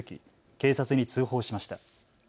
警察に通報しました。